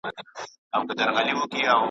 زه د اور په لمبه پایم ماته ما وایه چي سوځې .